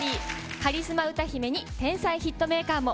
カリスマ歌姫に、天才ヒットメーカーも。